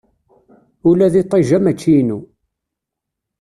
Ula d iṭij-a mačči inu.